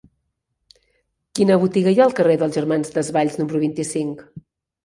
Quina botiga hi ha al carrer dels Germans Desvalls número vint-i-cinc?